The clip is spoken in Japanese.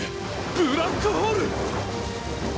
ブラックホール！